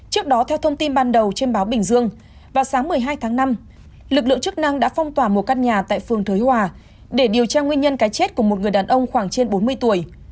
trước đó theo thông tin ban đầu trên báo bình dương vào sáng một mươi hai tháng năm lực lượng chức năng đã phong tỏa một căn nhà tại phường thới hòa để điều tra nguyên nhân cái chết của một người đàn ông khoảng trên bốn mươi tuổi